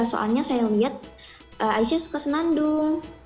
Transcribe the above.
soalnya saya lihat aisyah suka senandung